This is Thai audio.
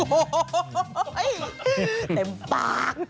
โอ้โหเต็มปาก